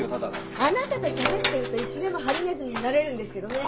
あなたとしゃべってるといつでもハリネズミになれるんですけどね。